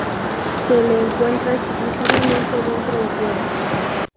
Se le encuentra exclusivamente dentro de cuevas.